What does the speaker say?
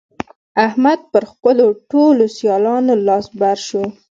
احمد پر خپلو ټولو سيالانو لاس بر شو.